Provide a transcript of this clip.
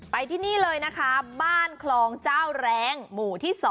ไปที่นี่เลยนะคะบ้านคลองเจ้าแรงหมู่ที่๒